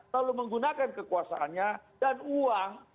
lalu menggunakan kekuasaannya dan uang